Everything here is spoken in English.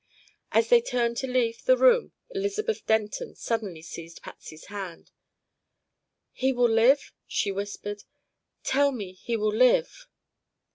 As they turned to leave the room Elizabeth Denton suddenly seized Patsy's hand. "He will live?" she whispered. "Tell me he will live!"